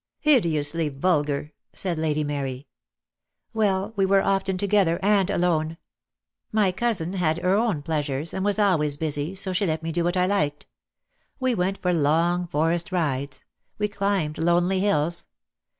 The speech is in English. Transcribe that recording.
"Hideously vulgar," said Lady Mary. "Well, we were often together, and alone. My cousin had her own pleasures, and was always busy, so she let me do what I liked. We went for long forest rides. We climbed lonely hills.